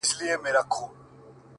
تا بدرنگۍ ته سرټيټی په لېونتوب وکړ;